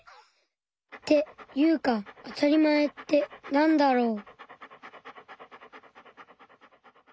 っていうかあたりまえってなんだろう？